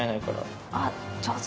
あっ上手。